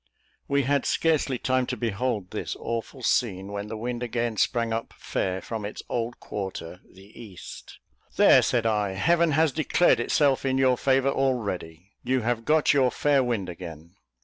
We had scarcely time to behold this awful scene, when the wind again sprang up fair, from its old quarter, the east. "There," said I, "Heaven has declared itself in your favour already. You have got your fair wind again."